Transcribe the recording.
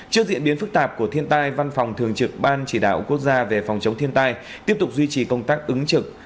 trước diễn biến phức tạp của thiên tai văn phòng thường trực ban chỉ đạo quốc gia về phòng chống thiên tai tiếp tục duy trì công tác ứng trực